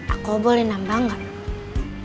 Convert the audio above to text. aku boleh nambah gak